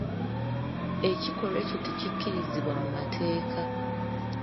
Ekikolwa ekyo tekikkirizibwa mu mateeka.